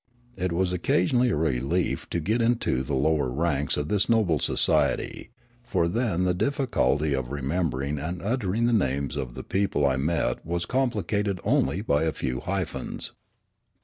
It was occasionally a relief to get into the lower ranks of 44 Riallaro this noble society, for then the difficulty of remember ing and uttering the names of the people I met was complicated only by a few hyphens.